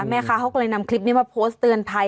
แม่ค้าเขาก็เลยนำคลิปนี้มาโพสต์เตือนภัย